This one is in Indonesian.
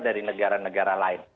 dari negara negara lain